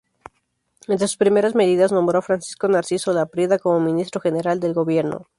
Entre sus primeras medidas nombró a Francisco Narciso Laprida como ministro general del gobierno.